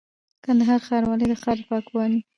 :کندهار ښاروالي د ښار د پاکوالي،